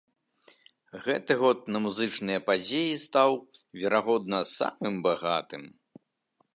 Гэты год на музычныя падзеі стаў, верагодна, самым багатым.